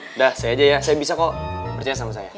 udah saya aja ya saya bisa kok percaya sama saya